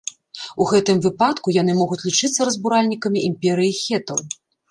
У гэтым выпадку, яны могуць лічыцца разбуральнікамі імперыі хетаў.